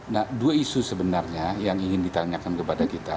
nah dua isu sebenarnya yang ingin ditanyakan kepada kita